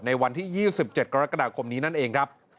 ในวันที่๒๗กรกฎาคมนี้นั่นเองครับ